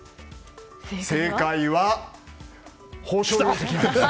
正解は豊昇龍関です。